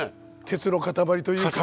鉄の塊というか。